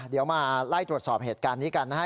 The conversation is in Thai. เดี๋ยวมาไล่ตรวจสอบเหตุการณ์นี้กันนะฮะ